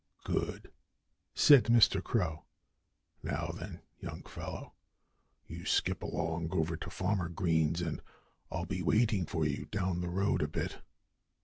"Good!" said Mr. Crow. "Now, then, young fellow! You skip along over to Farmer Green's and I'll be waiting for you down the road a bit."